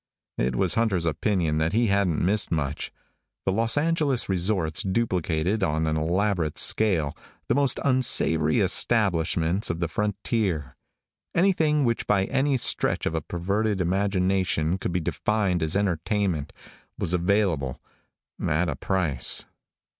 It was Hunter's opinion that he hadn't missed much. The Los Angeles resorts duplicated, on an elaborate scale, the most unsavory establishments of the frontier. Anything which by any stretch of a perverted imagination could be defined as entertainment was available at a price.